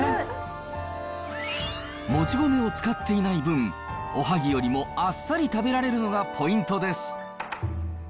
もち米を使っていない分、おはぎよりもあっさり食べられるのがポイントです。